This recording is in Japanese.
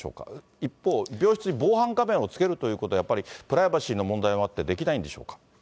一方、病室に防犯カメラをつけるということは、やっぱりプライバシーの問題もあって、できないんでしょうか。